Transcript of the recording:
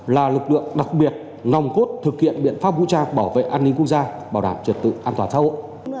là lực lượng đặc biệt nòng cốt thực hiện biện pháp vũ trang bảo vệ an ninh quốc gia bảo đảm trật tự an toàn xã hội